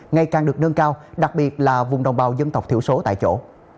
ngày càng được nâng cao đặc biệt là vùng đồng bào dân tộc thiểu số tại chỗ